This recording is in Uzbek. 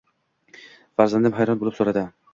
farzandim hayron bo‘lib so‘radi: